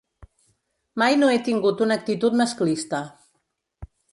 Mai no he tingut una actitud masclista.